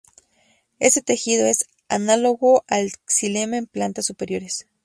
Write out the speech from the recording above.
Este tejido es análogo al xilema en plantas superiores.